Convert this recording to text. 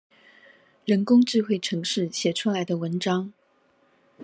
人工智慧程式寫出來的文章